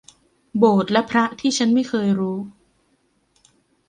โบสถ์และพระที่ฉันไม่เคยรู้